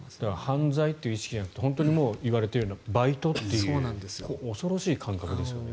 犯罪という意識じゃなくて本当に、言われているようなバイトという恐ろしい感覚ですよね。